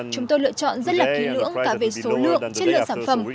chúng tôi lựa chọn rất là kỹ lưỡng cả về số lượng chất lượng sản phẩm